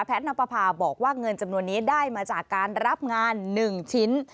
แพทย์น้ำประพาบอกว่าเงินจำนวนนี้ได้มาจากการรับงานหนึ่งชิ้น